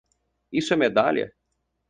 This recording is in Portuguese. Isso é medalha?